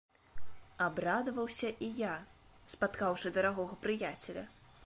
Абрадаваўся і я, спаткаўшы дарагога прыяцеля.